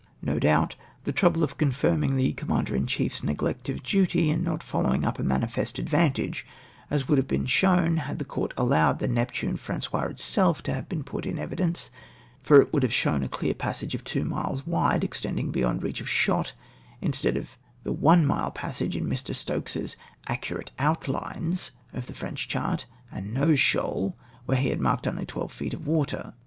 No doubt — the trouble of coniirmino the Comman o cler in chiefs neglect of duty in not foUowmg up ii ^manifest advantage, as would have been shown had the court allowed the Neptune Francois itself to have been put, in evidence ; for it would have shown a clear passage of two miles wide, extending beyond reach of shot, instead of the one mile passage in Mr. Stokes's '■'•accurate outlines'" of the French chart, and no shoal where he had marked only twelve feet of water